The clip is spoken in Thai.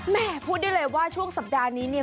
แม่พูดได้เลยว่าช่วงสัปดาห์นี้เนี่ย